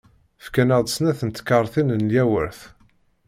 Fkan-aɣ-d snat n tkaṛtin n lyawert.